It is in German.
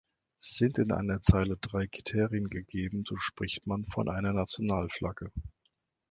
Sind in einer Zeile drei Kriterien gegeben, so spricht man von einer "Nationalflagge".